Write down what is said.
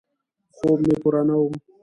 خوب مې پوره نه و.